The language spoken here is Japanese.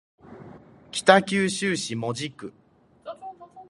北九州市門司区